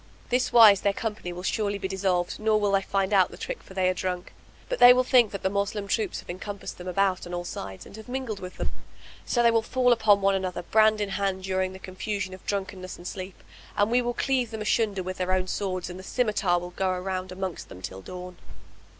This wise their company will surely be dissolved nor will they find out the trick for they are drunk, but they will think that the Moslem troops have encompassed them about on all sides and have mingled with them; so they will fall on one another brand in hand during the confusion of drunkenness and sleep, and we will cleave them asunder with their own swords and the scymitar will go round amongst them till dawn."